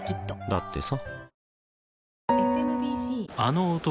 だってさ